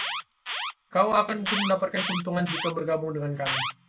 Kau akan mendapatkan keuntungan jika bergabung dengan kami.